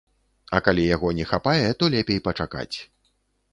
А калі яго не хапае, то лепей пачакаць.